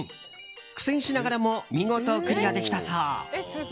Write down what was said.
苦戦しながらも見事、クリアできたそう。